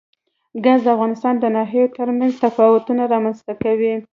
ګاز د افغانستان د ناحیو ترمنځ تفاوتونه رامنځ ته کوي.